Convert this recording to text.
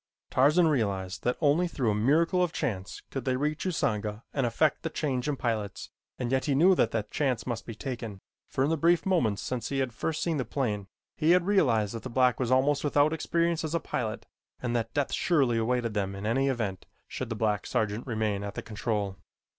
Tarzan realized that only through a miracle of chance could they reach Usanga and effect the change in pilots and yet he knew that that chance must be taken, for in the brief moments since he had first seen the plane, he had realized that the black was almost without experience as a pilot and that death surely awaited them in any event should the black sergeant remain at the control.